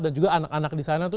dan juga anak anak disana itu